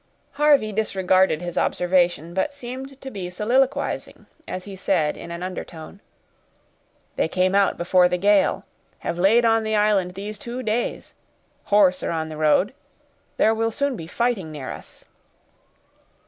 Harvey disregarded his observation, but seemed to be soliloquizing, as he said in an undertone, "They came out before the gale—have laid on the island these two days—horse are on the road—there will soon be fighting near us."